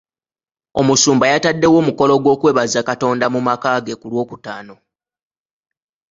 Omusumba yataddewo omukolo gw'okwebaza Katonda mu maka ge kulwokutaano.